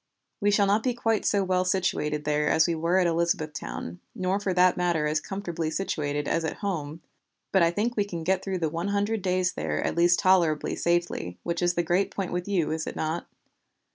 We shall not be quite so well situated there as we were at Elizabethtown, nor for that matter as comfortably situated as at home, but I think we can get through the one hundred days there at least tolerably safely, which is the great point with you, is it not?